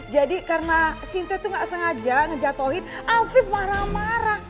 jadi karena sintia tuh nggak sengaja ngejatuhin afif marah marah